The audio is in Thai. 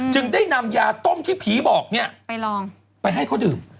จึงได้นำยาต้มที่ผีบอกไปให้เขาดื่ม